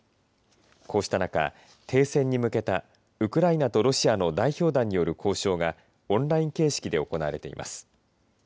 こうした中停戦に向けたウクライナとロシアの代表団による交渉がオンライン形式で行われています。